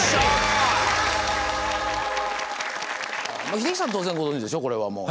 英樹さんは当然ご存じでしょこれはもう。